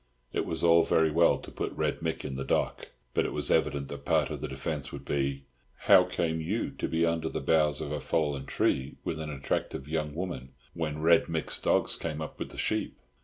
It was all very well to put Red Mick in the dock, but it was evident that part of the defence would be, "How came you to be under the boughs of a fallen tree with an attractive young woman when Red Mick's dogs came up with the sheep?"